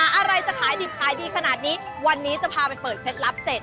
อะไรจะขายดิบขายดีขนาดนี้วันนี้จะพาไปเปิดเคล็ดลับเสร็จ